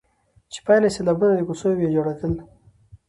چي پايله يې سيلابونه، د کوڅو ويجاړېدل،